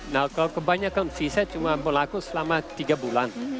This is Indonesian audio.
nah kalau kebanyakan visa cuma berlaku selama tiga bulan